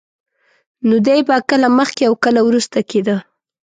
نو دی به کله مخکې او کله وروسته کېده.